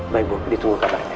baik bu ditunggu kabarnya